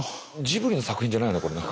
ジブリの作品じゃないよね